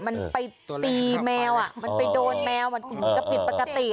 มันไปตีแมวมันไปโดนแมวมันก็ผิดปกติ